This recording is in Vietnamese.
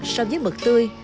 so với mực tươi